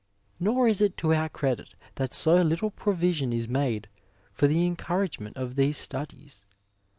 Nor is it to our credit that so little provision is made for the encouragement of these studies.